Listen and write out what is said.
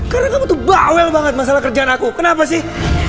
karena kamu tuh bawel banget masalah kerjaan aku kenapa sih